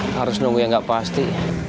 harus nunggu yang nggak pasti